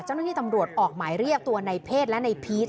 เจ้าหน้าที่ตำรวจออกหมายเรียกตัวในเพศและในพีช